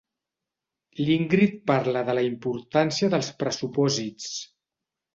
L'Ingrid parla de la importància dels pressupòsits.